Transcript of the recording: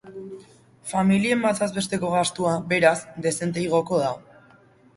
Familien batez besteko gastua, beraz, dezente igoko da.